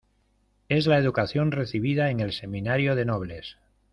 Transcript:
es la educación recibida en el Seminario de Nobles.